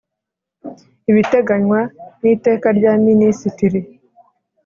Ibitegenywa n’iteka rya Minisitiri